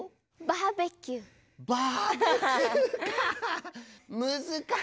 バーベキューか！